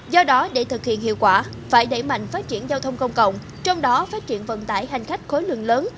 do đó để thực hiện hiệu quả phải đẩy mạnh phát triển giao thông công cộng trong đó phát triển vận tải hành khách khối lượng lớn